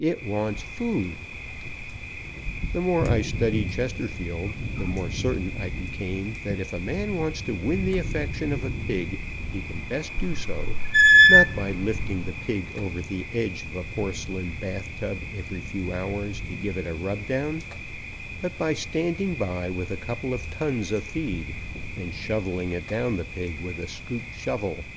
It wants food. The more I studied Chesterfield the more certain I became that if a man wants to win the affection of a pig he can best do so, not by lifting the pig over the edge of a porcelain bath tub every few hours to give it a rub down, but by standing by with a couple of tons of feed and shovelling it down the pig with a scoop shovel.